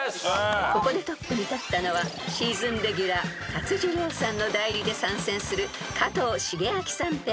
［ここでトップに立ったのはシーズンレギュラー勝地涼さんの代理で参戦する加藤シゲアキさんペア］